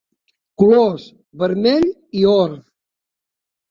Colors: vermell i or.